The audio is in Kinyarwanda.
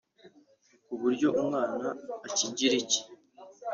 ku buryo umwana akigira icye